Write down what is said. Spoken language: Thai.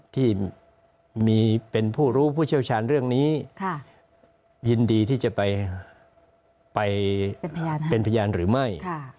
ที่มีเป็นผู้รู้ผู้เชี่ยวชาญเรื่องนี้ยินดีที่จะไปเป็นพยานหรือไม่